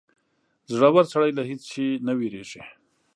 • زړور سړی له هېڅ شي نه وېرېږي.